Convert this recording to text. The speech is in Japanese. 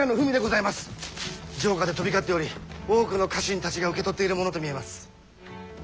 城下で飛び交っており多くの家臣たちが受け取っているものと見えます。